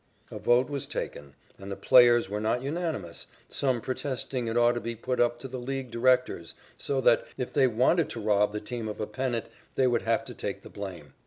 A vote was taken, and the players were not unanimous, some protesting it ought to be put up to the League directors so that, if they wanted to rob the team of a pennant, they would have to take the blame.